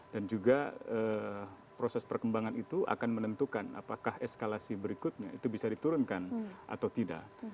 dan juga proses perkembangan itu akan menentukan apakah eskalasi berikutnya itu bisa diturunkan atau tidak